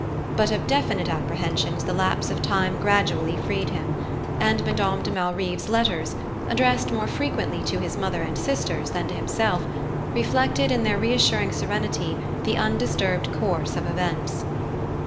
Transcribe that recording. But of definite apprehensions the lapse of time gradually freed him, and Madame de Malrive's letters, addressed more frequently to his mother and sisters than to himself, reflected, in their reassuring serenity, the undisturbed course of events.